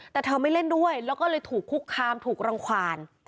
แต่เธอไม่เล่นด้วยแล้วก็เลยถูกคุกคามถูกรังความ